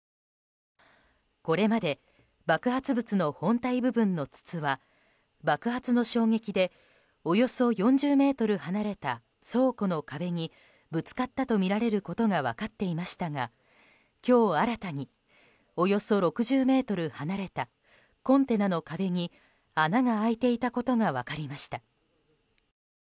これまで爆発物の本体部分の筒は爆発の衝撃でおよそ４０ｍ離れた倉庫の壁にぶつかったとみられることが分かっていましたが今日新たにおよそ６０ｍ離れたコンテナの壁に穴が開いていたことが分かりました。